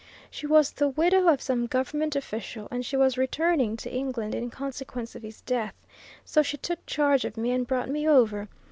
She was the widow of some government official, and she was returning to England in consequence of his death. So she took charge of me and brought me over.